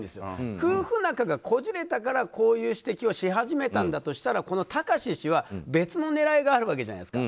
夫婦仲がこじれたからこういう指摘をし始めたんだとしたらこの貴志氏は別の狙いがあるわけじゃないですか。